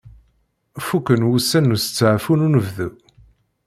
Fukken wussan n usteɛfu n unebdu.